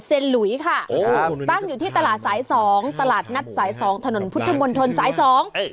เซนหลุยค่ะบ้านอยู่ที่ตลาดสายสองตลาดนัดสายสองถนนพุทธมนตรสายสอง